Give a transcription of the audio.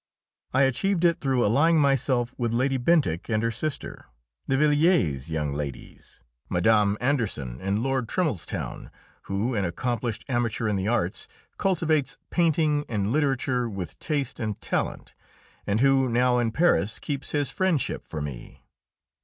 I achieved it through allying myself with Lady Bentinck and her sister, the Villiers young ladies, Mme. Anderson, and Lord Trimlestown, who, an accomplished amateur in the arts, cultivates painting and literature with taste and talent, and who, now in Paris, keeps his friendship for me.